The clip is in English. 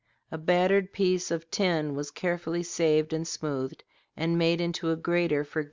A battered piece of tin was carefully saved and smoothed, and made into a grater for green corn.